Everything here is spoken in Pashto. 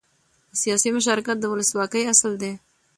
سیاسي مشارکت د ولسواکۍ اصل دی